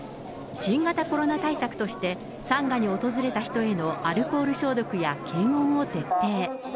新型コロナ対策として、参賀に訪れた人へのアルコール消毒や検温を徹底。